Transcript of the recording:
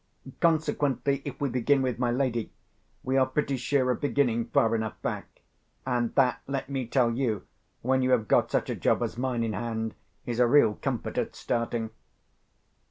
Consequently, if we begin with my lady, we are pretty sure of beginning far enough back. And that, let me tell you, when you have got such a job as mine in hand, is a real comfort at starting.